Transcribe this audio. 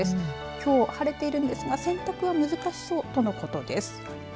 きょう、晴れているんですが洗濯は難しそうとのことです。